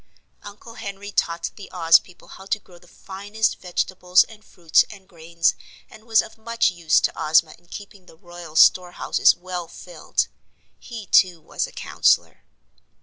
Uncle Henry taught the Oz people how to grow the finest vegetables and fruits and grains and was of much use to Ozma in keeping the Royal Storehouses well filled. He, too, was a counsellor.